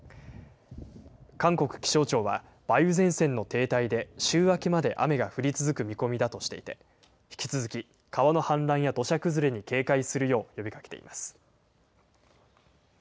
韓国気象庁は、梅雨前線の停滞で週明けまで雨が降り続く見込みだとしていて、引き続き川の氾濫や土砂崩れに警戒するよう呼びかけています。